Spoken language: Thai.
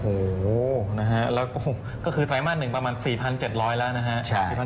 โอ้วนะฮะก็คือไตล์มาลหนึ่ง๔๗๐๐แล้วฮะ